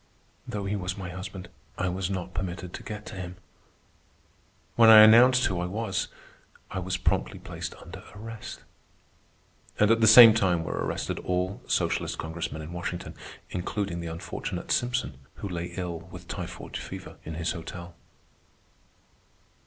Though he was my husband, I was not permitted to get to him. When I announced who I was, I was promptly placed under arrest. And at the same time were arrested all socialist Congressmen in Washington, including the unfortunate Simpson, who lay ill with typhoid fever in his hotel.